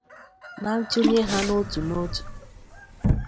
Na ntụnye ha n'otu n'otu